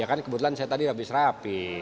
ya kan kebetulan saya tadi habis rapi